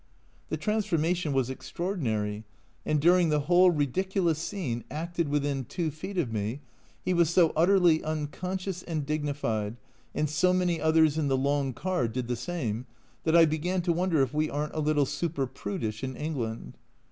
The transformation was extraordinary, and during the whole ridiculous scene, acted within two feet of me, he was so utterly unconscious and dignified, and so many others in the long car did the same, that I began to wonder if we aren't a little super prudish in England.